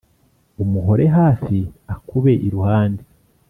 umuhore hafi, akube iruhande